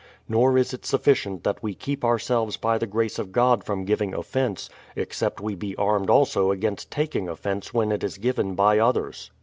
Nor is it sufficient that we keep ourselves by the grace of God from giving offence, except we be armed also against taking offence when it is given by others.